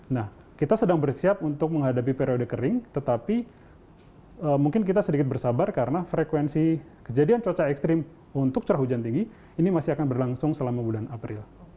nah kita sedang bersiap untuk menghadapi periode kering tetapi mungkin kita sedikit bersabar karena frekuensi kejadian cuaca ekstrim untuk curah hujan tinggi ini masih akan berlangsung selama bulan april